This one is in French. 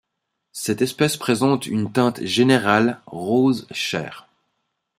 Cette espèce présente une teinte générale rose chair.